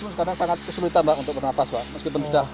sekarang sangat sulit untuk bernafas meskipun sudah pakai alat apt